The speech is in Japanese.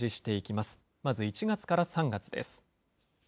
まず１月から３月です。